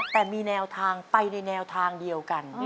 แต่มีแนวทางไปในแนวทางเดียวกัน